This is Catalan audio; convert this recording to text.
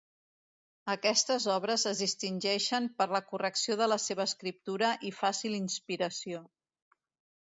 Aquestes obres es distingeixen per la correcció de la seva escriptura i fàcil inspiració.